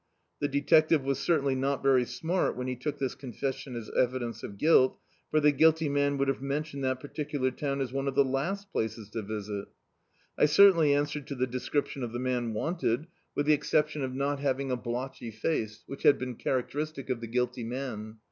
The detective was certainly not very smart when he took this confessicn as evidence of guilt, for the guilty man would have mentioned that particular town as one of the last places to visit. I certwnly answered to the description of the man wanted, with the ex Dictzed by Google On Tramp Again ception of aot having a blotchy face, which had been characteristic of the guilty man.